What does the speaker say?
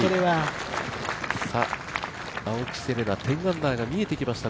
青木瀬令奈、１０アンダーが見えてきました